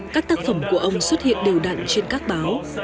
các tác phẩm của ông xuất hiện đều đặn trên các báo